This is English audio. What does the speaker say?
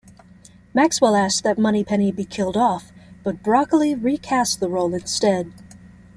Maxwell asked that Moneypenny be killed off, but Broccoli re-cast the role instead.